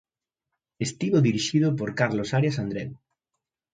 Estivo dirixido por Carlos Arias Andreu.